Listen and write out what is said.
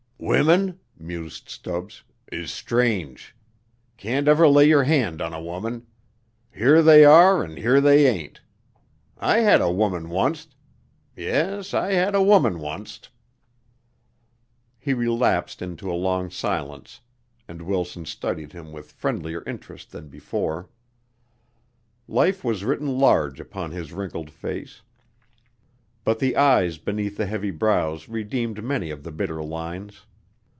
"Women," mused Stubbs, "is strange. Can't never lay your hand on a woman. Here they are an' here they ain't. I had a woman once't. Yes, I had a woman once't." He relapsed into a long silence and Wilson studied him with friendlier interest than before. Life was written large upon his wrinkled face, but the eyes beneath the heavy brows redeemed many of the bitter lines.